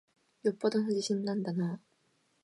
よっぽどの自信なんだなぁ。